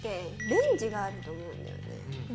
「レンジ」があると思うんだよね。